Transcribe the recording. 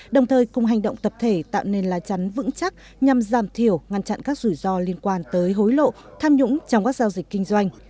đồng thời cùng hành động tập thể tạo nên lá chắn vững chắc nhằm giảm thiểu ngăn chặn các rủi ro liên quan tới hối lộ tham nhũng trong các giao dịch kinh doanh